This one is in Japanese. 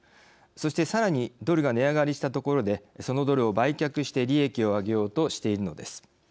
そしてさらにドルが値上がりしたところでそのドルを売却して利益を上げようとしているのです。